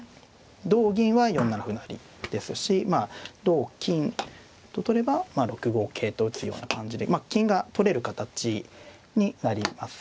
同銀は４七歩成ですし同金と取れば６五桂と打つような感じで金が取れる形になりますからね。